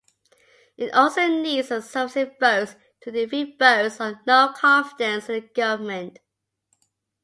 It also needs sufficient votes to defeat votes of no-confidence in the government.